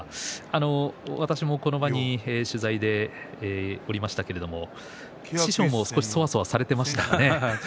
私もこの場に取材でおりましたけど師匠も少しそわそわされていましたね。